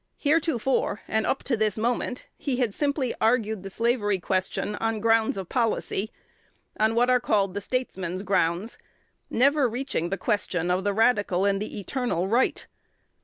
Heretofore, and up to this moment, he had simply argued the slavery question on grounds of policy, on what are called the statesman's grounds, never reaching the question of the radical and the eternal right.